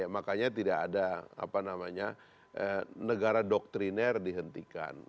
makanya tidak ada apa namanya negara doktriner dihentikan